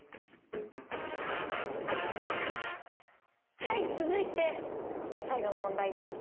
はい続いて最後の問題です。